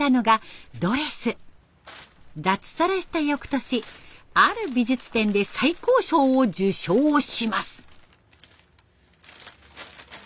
脱サラしたよくとしある美術展で最高賞を受賞します。